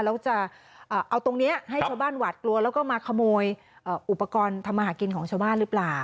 แล้วจะเอาตรงนี้ให้ชาวบ้านหวาดกลัวแล้วก็มาขโมยอุปกรณ์ทำมาหากินของชาวบ้านหรือเปล่า